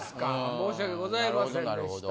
申し訳ございませんでした。